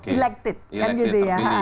elected kan gitu ya